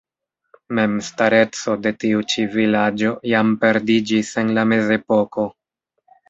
Memstareco de tiu ĉi vilaĝo jam perdiĝis en la Mezepoko.